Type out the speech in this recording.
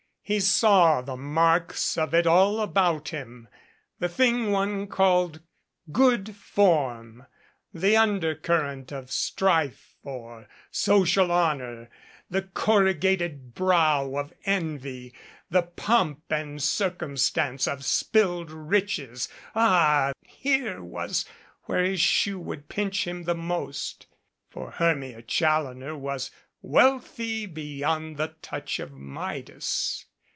He saw the marks of it all about him, the thing one called "good form," the un dercurrent of strife for social honor, the corrugated brow of envy, the pomp and circumstance of spilled riches^ ah ! here was where his shoe would pinch him the most. For Hermia Challoner was wealthy beyond the touch of Midas.